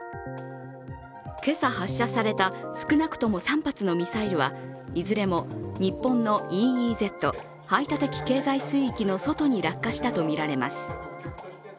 今朝、発射された少なくとも３発のミサイルはいずれも日本のＥＥＺ＝排他的経済水域の外に落下したとみられます。